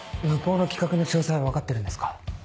向こうの企画の詳細分かってるんですか？